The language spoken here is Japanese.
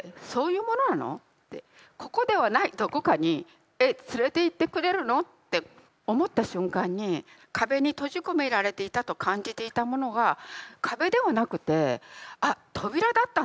ここではない何処かにえっ連れて行ってくれるの？って思った瞬間に壁に閉じ込められていたと感じていたものが壁ではなくてあっ扉だったんだみたいな。